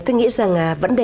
tôi nghĩ rằng vấn đề